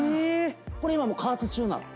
これ今加圧中なの？